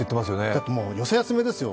だってもう寄せ集めですよ。